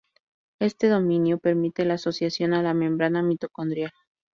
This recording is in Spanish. Éste dominio permite la asociación a la membrana mitocondrial.